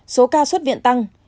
số ca xuất viện tăng